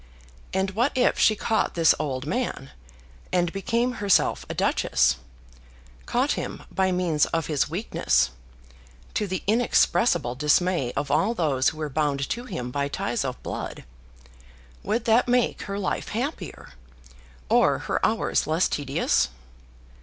And what if she caught this old man, and became herself a duchess, caught him by means of his weakness, to the inexpressible dismay of all those who were bound to him by ties of blood, would that make her life happier, or her hours less tedious?